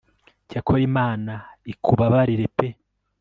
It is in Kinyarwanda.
cyakora imana ikubabarire pe